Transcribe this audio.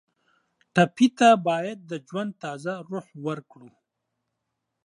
ټپي ته باید د ژوند تازه روح ورکړو.